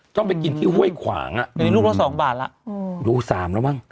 ต้องไปกินที่ห้วยขวางอ่ะอืมลูกเราสองบาทล่ะอืมลูกสามแล้วมั่ง